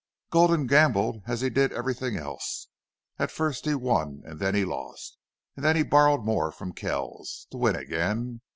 Gulden gambled as he did everything else. At first he won and then he lost, and then he borrowed more from Kells, to win again.